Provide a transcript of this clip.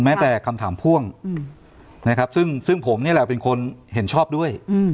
แม้แต่คำถามพ่วงนะครับซึ่งผมนี่แหละเป็นคนเห็นชอบด้วย